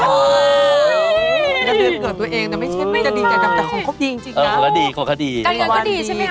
ก็เดือนกรกตัวเองเนี่ยไม่ใช่โหไม่ใช่แต่ความครบดีจริงเนี่ย